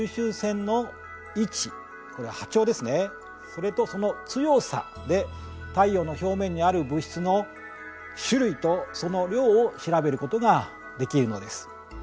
それとその強さで太陽の表面にある物質の種類とその量を調べることができるのです。